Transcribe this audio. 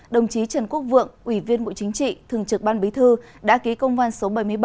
đồng chí trần quốc vượng ủy viên bộ chính trị thường trực ban bí thư đã ký công an số bảy mươi bảy